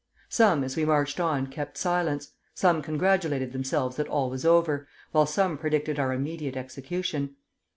Some, as we marched on, kept silence, some congratulated themselves that all was over, while some predicted our immediate execution.